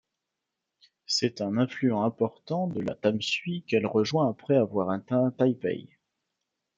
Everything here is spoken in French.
C'est un affluent important de la Tamsui qu'elle rejoint après avoir atteint Taipei.